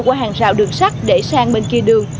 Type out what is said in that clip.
qua hàng rào đường sắt để sang bên kia đường